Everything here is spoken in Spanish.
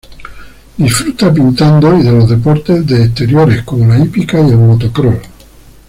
Disfruta pintando y de los deportes de exteriores como la hípica y el motocross.